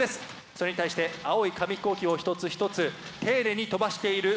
それに対して青い紙ヒコーキを一つ一つ丁寧に飛ばしている舞鶴Ｂ。